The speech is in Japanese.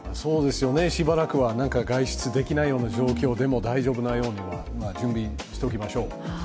しばらくは外出できないような状況でも大丈夫なような準備しておきましょう。